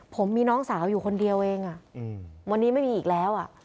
ผมมีน้องสาวอยู่คนเดียวเองวันนี้ไม่มีอีกแล้วอ่ะ